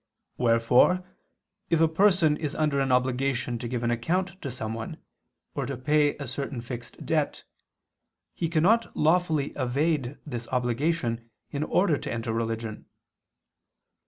Wherefore if a person is under an obligation to give an account to someone or to pay a certain fixed debt, he cannot lawfully evade this obligation in order to enter religion.